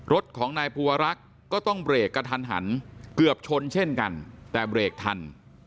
รถของนายภูวรักษ์ก็ต้องเบรกกระทันหันเกือบชนเช่นกันแต่เบรกทัน